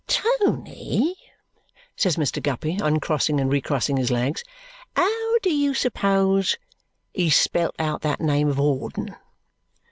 "Tony," says Mr. Guppy, uncrossing and recrossing his legs, "how do you suppose he spelt out that name of Hawdon?"